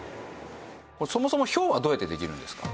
そもそもひょうはどうやってできるんですか？